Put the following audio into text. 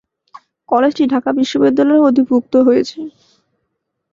কলেজটি ঢাকা বিশ্ববিদ্যালয়ের অধিভুক্ত হয়েছে।